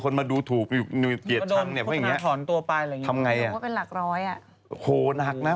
ชื่อเสียงเลย